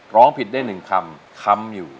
ร้องผิดได้๑คำค้ำอยู่